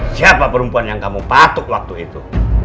siapa perempuan yang kamu patuk waktu itu